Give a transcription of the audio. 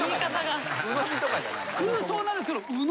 空想なんですけど。